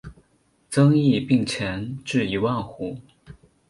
增邑并前至一万户。